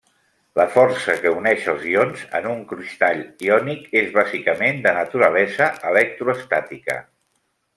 La força que uneix els ions en un cristall iònic és bàsicament de naturalesa electroestàtica.